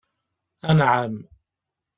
Anεam.